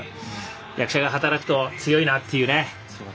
役者が働くと、強いなというね。